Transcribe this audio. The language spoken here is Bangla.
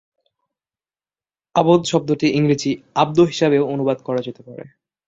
আবদ শব্দটি ইংরেজিতে 'আব্দ' হিসাবেও অনুবাদ করা যেতে পারে।